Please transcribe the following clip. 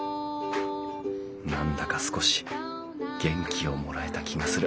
何だか少し元気をもらえた気がする